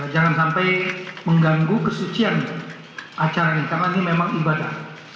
jangan sampai mengganggu kesucian acara ini karena ini memang ibadah